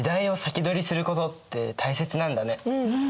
うん。